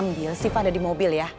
kamu ambil si fah ada di mobil ya